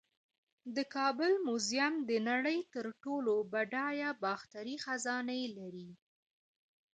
د کابل میوزیم د نړۍ تر ټولو بډایه باختري خزانې لري